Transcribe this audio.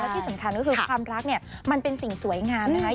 ที่สำคัญก็คือความรักเนี่ยมันเป็นสิ่งสวยงามนะคะ